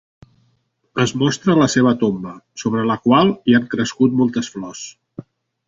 Es mostra la seva tomba, sobre la qual hi han crescut moltes flors.